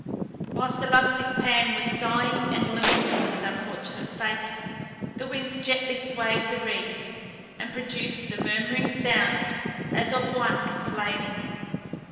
Whilst the love sick Pan was sighing and lamenting his unfortunate fate, the winds gently swayed the reeds, and produced a murmuring sound as of one complaining.